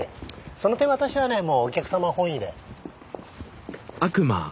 その点私はねもうお客様本位で。